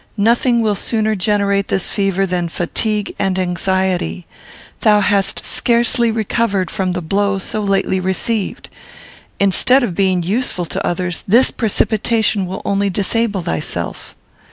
Nothing will sooner generate this fever than fatigue and anxiety. Thou hast scarcely recovered from the blow so lately received. Instead of being useful to others, this precipitation will only disable thyself.